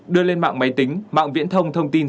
một mươi một đưa lên mạng máy tính mạng viễn thông thông tin